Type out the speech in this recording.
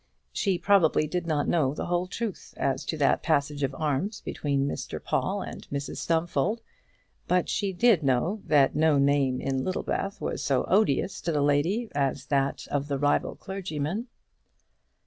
She probably did not know the whole truth as to that passage of arms between Mr Paul and Mrs Stumfold, but she did know that no name in Littlebath was so odious to the lady as that of the rival clergyman.